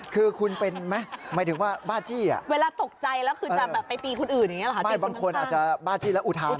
คือคุณเป็นแม่หมายถึงว่าบ๊าจี้